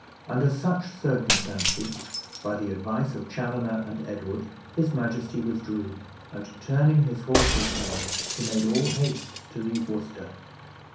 Under such circumstances, by the advice of Chaloner and Edward, his majesty withdrew, and, turning his horse's head, he made all haste to leave Worcester.